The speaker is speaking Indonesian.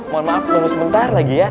mohon maaf dulu sebentar lagi ya